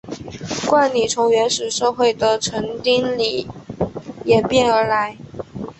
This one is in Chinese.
冠礼从原始社会的成丁礼演变而来。